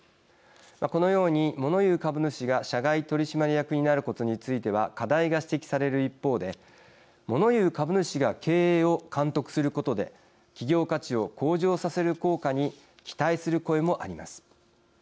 このように、もの言う株主が社外取締役になることについては課題が指摘される一方でもの言う株主が経営を監督することで企業価値を向上させる効果に期待する声もあります。